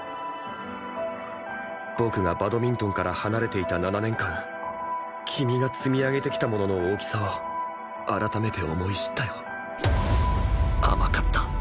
僕がバドミントンから離れていた７年間君が積み上げてきたものの大きさを改めて思い知ったよ